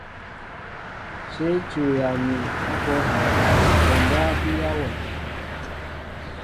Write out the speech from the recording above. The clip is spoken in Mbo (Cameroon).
Shéé tuya a ɓɔ ahɛɛ, koondaan biya wɛʼ.